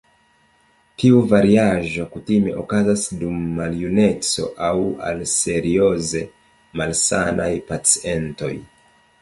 Tiu variaĵo kutime okazas dum maljuneco aŭ al serioze malsanaj pacientoj.